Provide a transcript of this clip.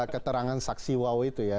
keterangan saksi wawo itu ya